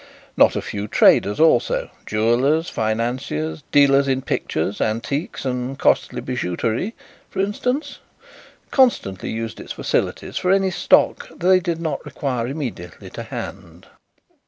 Not a few traders also jewellers, financiers, dealers in pictures, antiques and costly bijouterie, for instance constantly used its facilities for any stock that they did not require immediately to hand.